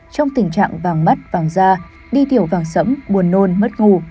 trong tình trạng vàng mất vàng da đi tiểu vàng sẫm buồn nôn mất ngủ